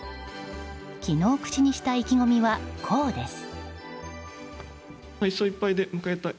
昨日、口にした意気込みはこうです。